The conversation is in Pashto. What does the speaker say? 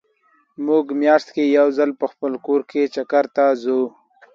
مونږ مياشت کې يو ځل په خپل موټر کې چکر ته ځو